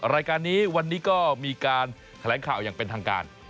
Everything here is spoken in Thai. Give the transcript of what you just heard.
รายการนี้วันนี้ก็มีการแถลงข่าวอย่างเป็นทางการ